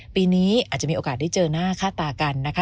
ปีนี้อาจจะมีโอกาสได้เจอหน้าค่าตากันนะคะ